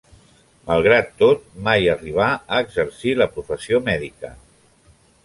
Malgrat tot, mai arribà a exercir la professió mèdica.